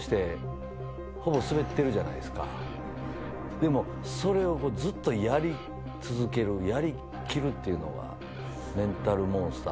でもそれをずっとやり続けるやり切るっていうのは。